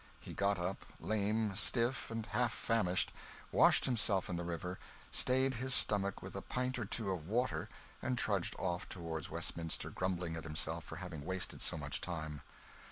He got up, lame, stiff, and half famished, washed himself in the river, stayed his stomach with a pint or two of water, and trudged off toward Westminster, grumbling at himself for having wasted so much time.